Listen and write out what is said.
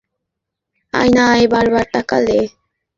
আয়নায় বার বার তাকালে এক্সিডেন্ট হবার সম্ভাবনা আছে।